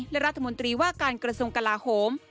และรัฐมนตรีว่าการกระทรวงกลาโหม